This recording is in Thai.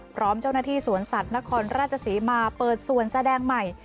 พร้อมเจ้าหน้าที่สวนสัตว์นครราชศรีมาเปิดส่วนแสดงใหม่